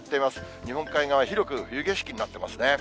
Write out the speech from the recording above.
日本海側、広く冬景色になっていますね。